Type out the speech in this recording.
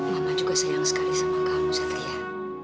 mama juga sayang sekali sama kamu satria